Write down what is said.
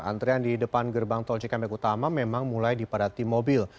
antrian di depan gerbang tol cikampek utama memang mulai dipadati mobil